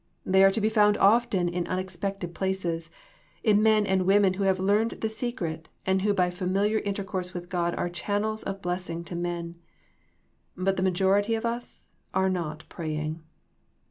They are to be found often in unexpected places, in men and women who have learned the secret, and who by familiar in tercourse with God are channels of blessing to men : but the majority of us are not praying.